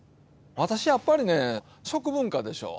私やっぱりね食文化でしょ。